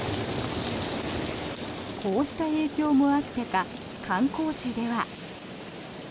こうした影響もあってか観光地では。